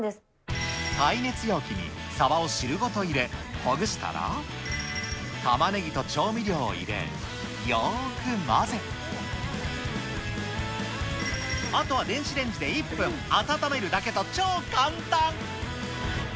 耐熱容器にサバを汁ごと入れ、ほぐしたら、たまねぎと調味料を入れ、よーく混ぜ、あとは電子レンジで１分温めるだけと超簡単。